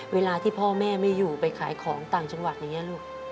เวลาที่พ่อแม่ไม่อยู่ไปขายของต่างจังหวัดอย่างนี้ลูก